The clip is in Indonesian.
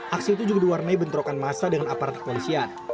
aksi itu juga diwarnai bentrokan masa dengan aparat kepolisian